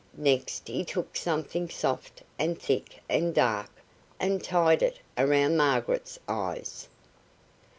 Next he took something soft and thick and dark, and tied it around Margaret's eyes.